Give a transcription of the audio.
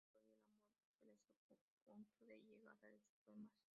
Como señala el autor, el amor suele ser punto de llegada de sus poemas.